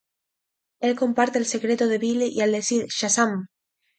Él comparte el secreto de Billy y al decir "¡Shazam!